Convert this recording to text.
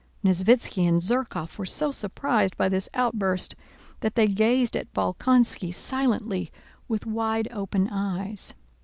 Nesvítski and Zherkóv were so surprised by this outburst that they gazed at Bolkónski silently with wide open eyes.